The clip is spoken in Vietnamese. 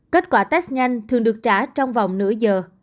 kết quả test nhanh thường được trả trong vòng nửa giờ